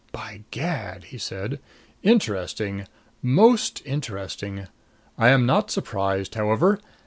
"By gad!" he said. "Interesting most interesting! I am not surprised, however.